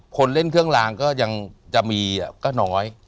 คนเล่นเครื่องลางก็ยังจะมีก็น้อย